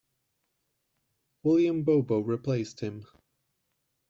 William Bobo replaced him.